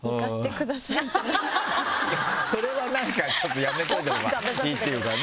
それはなんかやめといたほうがいいっていうかね